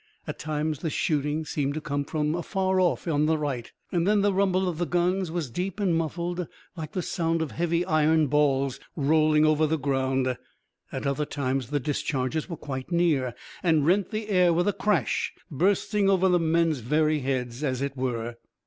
At times the shooting seemed to come from afar off on the right. Then the rumble of the guns was deep and muffled like the sound of heavy iron balls rolling over the ground; at other times, the discharges were quite near and rent the air with a crash, bursting over the men's very heads, as it were.